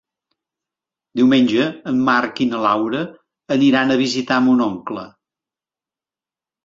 Diumenge en Marc i na Laura aniran a visitar mon oncle.